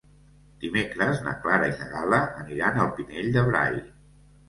Dimecres na Clara i na Gal·la aniran al Pinell de Brai.